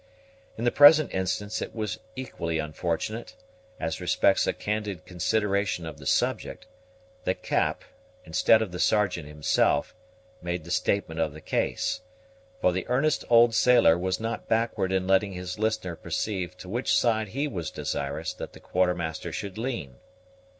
In the present instance it was equally unfortunate, as respects a candid consideration of the subject, that Cap, instead of the Sergeant himself, made the statement of the case; for the earnest old sailor was not backward in letting his listener perceive to which side he was desirous that the Quartermaster should lean.